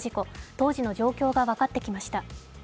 当時の状況が分かってきました。